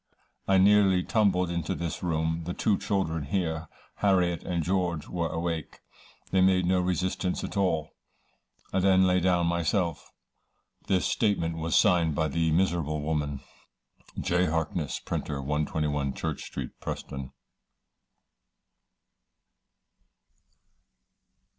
I nearly tumbled into this room. The two children here, Harriet and George were awake. They made no resistance at all. I then lay down myself." This statement was signed by the miserable woman. J. HARKNESS, Printer, 121, Church Street, Preston.